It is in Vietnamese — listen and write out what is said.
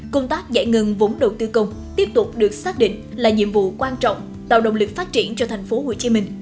công tác giải ngân vốn đầu tư công tiếp tục được xác định là nhiệm vụ quan trọng tạo động lực phát triển cho tp hcm